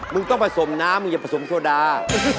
มึงต้องผสมน้ำมึงอย่าผสมโซดา